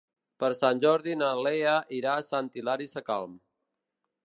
Per Sant Jordi na Lea irà a Sant Hilari Sacalm.